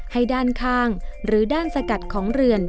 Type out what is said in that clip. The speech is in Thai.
ให้ด้านข้างหรือด้านสกัดของเรือน